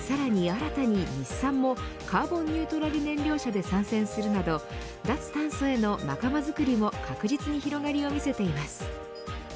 新たに日産もカーボンニュートラル燃料車で参戦するなど脱炭素への仲間づくりも確実に広がりを見せています。